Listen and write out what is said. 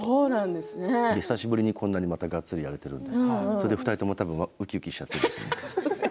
久しぶりにこんなにがっつりやれているのでそれで２人ともうきうきしてるんです。